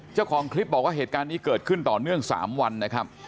เจ้าของคลิปบอกว่าเหตุการณ์นี้เกิดขึ้นต่อเนื่อง๓วันนะครับ